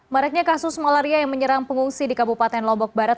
maraknya kasus malaria yang menyerang pengungsi di kabupaten lombok barat